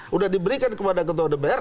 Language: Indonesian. sudah diberikan kepada ketua dpr